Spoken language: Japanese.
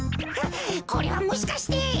これはもしかして！